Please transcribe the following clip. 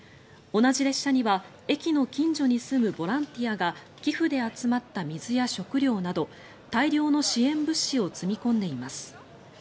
同じ列車には駅の近所に住むボランティアが寄付で集まった水や食料など大量の支援物資を積み込んでいます。